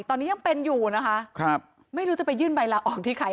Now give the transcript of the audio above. ตอนนี้ยังเป็นอยู่นะคะครับไม่รู้จะไปยื่นใบลาออกที่ใคร